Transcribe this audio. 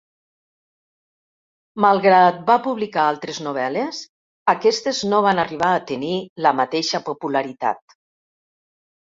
Malgrat va publicar altres novel·les, aquestes no van arribar a tenir la mateixa popularitat.